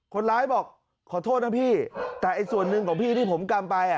คนร้ายบอกขอโทษนะพี่แต่ส่วนหนึ่งของพี่ที่ผมกำไป